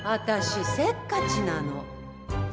私せっかちなの。